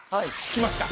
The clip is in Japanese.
きました。